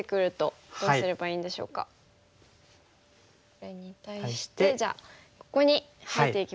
これに対してじゃあここに入っていきます。